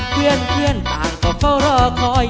เทียนต่างต่อเขารอคอย